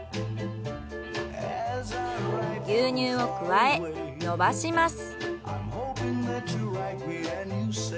牛乳を加えのばします。